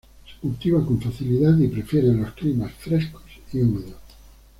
Se cultiva con facilidad y prefiere los climas frescos y húmedos.